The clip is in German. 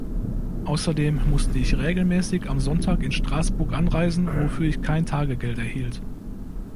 Außerdem musste ich regelmäßig am Sonntag in Straßburg anreisen, wofür ich kein Tagegeld erhielt.